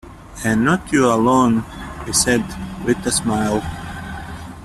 "And not you alone," he said, with a smile.